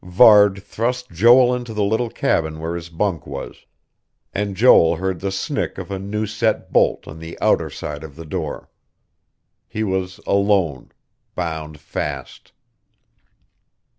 Varde thrust Joel into the little cabin where his bunk was; and Joel heard the snick of a new set bolt on the outer side of the door. He was alone, bound fast....